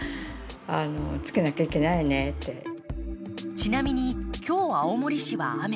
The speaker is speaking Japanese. ちなみに今日、青森市は雨。